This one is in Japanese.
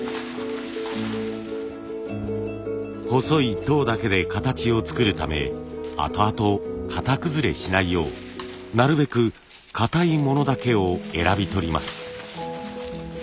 細い籐だけで形を作るため後々型崩れしないようなるべくかたいものだけを選び取ります。